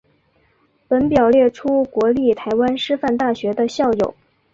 本表列出国立台湾师范大学的校友。